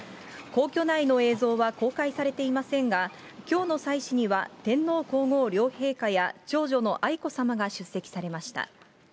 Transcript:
皇居内の映像は公開されていませんが、きょうの祭祀には、天皇皇后両陛下や長女の愛子さまが出席されました。